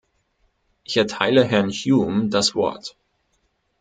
Ich erteile Herrn Hume das Wort.